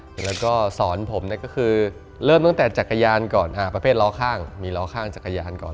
แล้วก็สอนผมก็คือเริ่มตั้งแต่จักรยานก่อนประเภทล้อข้างมีล้อข้างจักรยานก่อน